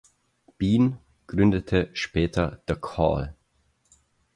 Been gründete später The Call.